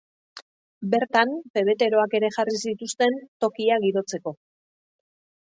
Bertan, pebeteroak ere jarri zituzten, tokia girotzeko.